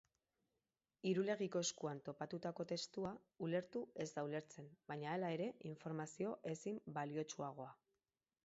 Irulegiko eskuan topatutako testua, ulertu ez da ulertzen, baina, hala ere, informazio ezin baliotsuagoa.